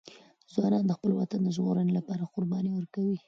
ځوانان د خپل وطن د ژغورنې لپاره قرباني ورکوي.